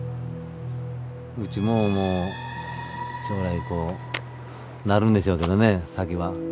うちももう将来こうなるんでしょうけどね先は。